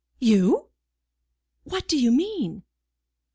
"You! What do you mean?"